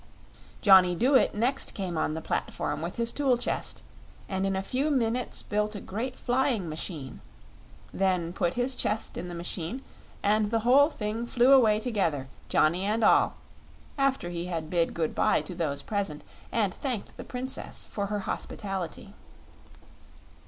Johnny Dooit next came on the platform with his tool chest, and in a few minutes built a great flying machine; then put his chest in the machine and the whole thing flew away together Johnny and all after he had bid good bye to those present and thanked the Princess for her hospitality.